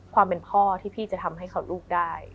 ความเป็นพ่อที่พี่จะทำให้ลูกได้